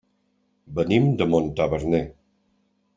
Venim de Montaverner.